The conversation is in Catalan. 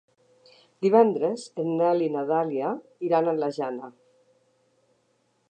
Divendres en Nel i na Dàlia iran a la Jana.